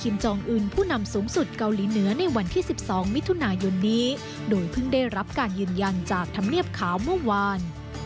โดยเพิ่งได้รับการยืนยันจากทำเนียบข่าวเมื่อวาน